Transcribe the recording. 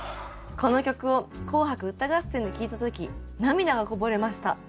この曲を『紅白歌合戦』で聴いた時涙がこぼれました。